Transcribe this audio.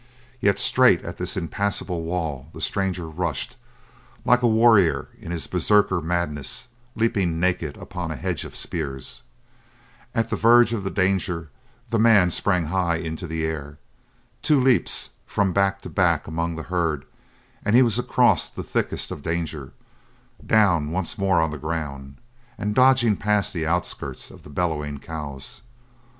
Yet straight at this impassable wall the stranger rushed, like a warrior in his Berserker madness leaping naked upon a hedge of spears. At the verge of the danger the man sprang high into the air. Two leaps, from back to back among the herd, and he was across the thickest of danger, down once more on the ground, and dodging past the outskirts of the bellowing cows.